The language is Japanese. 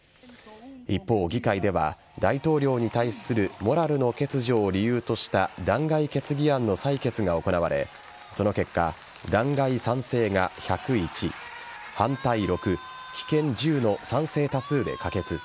一方、議会では大統領に対するモラルの欠如を理由とした弾劾決議案の採決が行われその結果、弾劾賛成が１０１反対６棄権１０の賛成多数で可決。